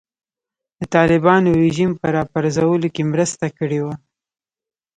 د طالبانو رژیم په راپرځولو کې مرسته کړې وه.